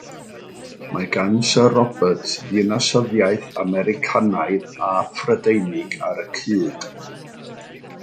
Mae gan Sir Robert ddinasyddiaeth Americanaidd a Phrydeinig ar y cyd.